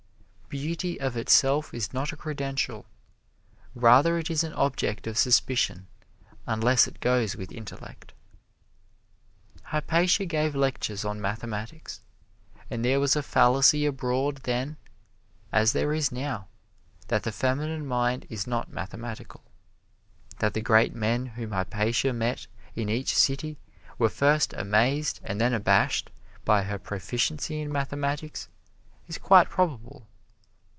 Beauty of itself is not a credential rather it is an object of suspicion, unless it goes with intellect. Hypatia gave lectures on mathematics; and there was a fallacy abroad then as there is now that the feminine mind is not mathematical. That the great men whom Hypatia met in each city were first amazed and then abashed by her proficiency in mathematics is quite probable.